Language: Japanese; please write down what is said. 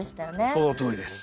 そのとおりです。